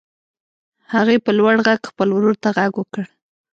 هغې په لوړ غږ خپل ورور ته غږ وکړ.